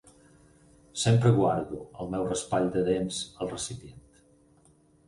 Sempre guardo el meu raspall de dents al recipient.